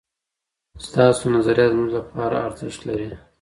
ستاسو نظریات زموږ لپاره ارزښت لري.